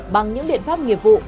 bằng những biện pháp nghiệp vụ